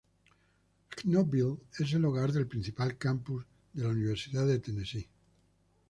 Knoxville es el hogar del principal campus de la Universidad de Tennesse.